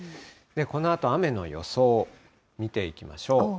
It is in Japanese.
このあと雨の予想を見ていきましょう。